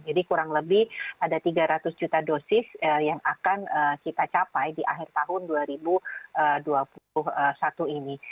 kurang lebih ada tiga ratus juta dosis yang akan kita capai di akhir tahun dua ribu dua puluh satu ini